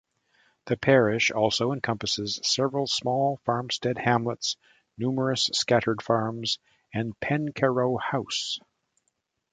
The parish also encompasses several small farmstead hamlets, numerous scattered farms and Pencarrow House.